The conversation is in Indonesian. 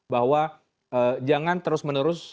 bahwa jangan terus menerus